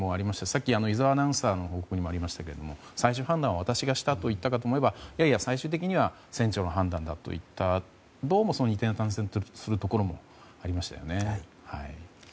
さっき、井澤アナウンサーの報告にもありましたが最終判断は私がしたと言ったかと思えば最終的には船長の判断といったどうも二転三転するところもありましたよね。